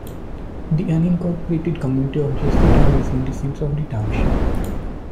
The unincorporated community of Jerseytown is in the center of the township.